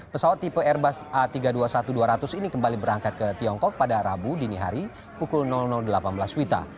pesawat tipe airbus a tiga ratus dua puluh satu dua ratus ini kembali berangkat ke tiongkok pada rabu dini hari pukul delapan belas wita